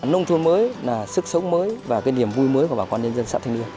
nông thôn mới là sức sống mới và cái niềm vui mới của bà con nhân dân xã thanh lương